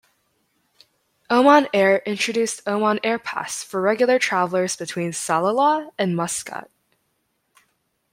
Oman Air introduced Oman Air Pass for regular travelers between Salalah and Muscat.